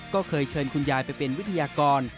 ก็เคยเชิญคุณยายไปเป็นวิทยากร